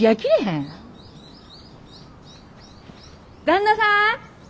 旦那さん！